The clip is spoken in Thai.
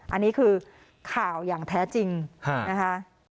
อันนี้คือข่าวอย่างแท้จริงนะคะ